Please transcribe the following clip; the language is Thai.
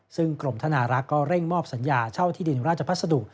ซึ่งกรมธนารักษ์ก็เร่งมอบสัญญาเช่าที่ดินราชภัสดุ